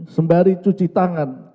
sembari cuci tangan